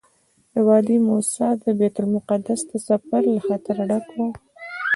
د وادي موسی نه بیت المقدس ته سفر له خطره ډک وو.